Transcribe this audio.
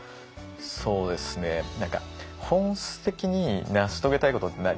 そうですね何か本質的に成し遂げたいことって何？